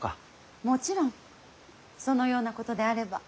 もちろんそのようなことであれば。